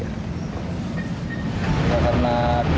karena kebutuhan kota bekasi untuk mengatasi banjir